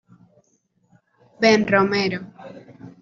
Ben Romero.